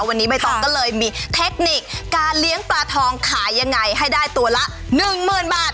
วันนี้ไม่ต้องเลยทิกเทคนิคการเลี้ยงปลาทองขายยังไงให้ได้ตัวละ๑หมื่นบาท